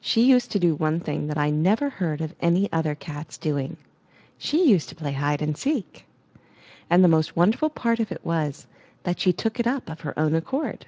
She used to do one thing that I never heard of any other cat's doing: she used to play hide and seek. And the most wonderful part of it was, that she took it up of her own accord.